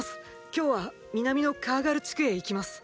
今日は南のカーガル地区へ行きます。